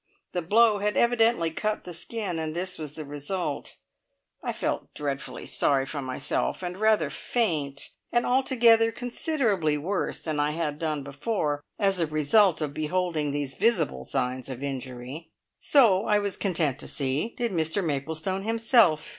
The blow had evidently cut the skin, and this was the result. I felt dreadfully sorry for myself, and rather faint, and altogether considerably worse than I had done before, as a result of beholding these visible signs of injury. So, I was content to see, did Mr Maplestone himself.